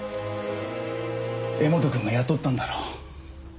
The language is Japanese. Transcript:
柄本くんが雇ったんだろう。